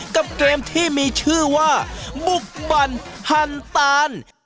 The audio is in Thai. กับเกมที่มีชื่อว่าบุกบั่นตาน